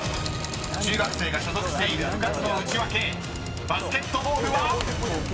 ［中学生が所属している部活のウチワケバスケットボールは⁉］